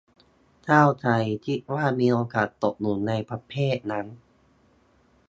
เศร้าใจ คิดว่ามีโอกาสตกอยู่ในประเภทนั้น